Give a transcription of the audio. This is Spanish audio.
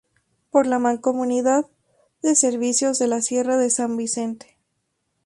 Por la Mancomunidad de Servicios de la Sierra de San Vicente.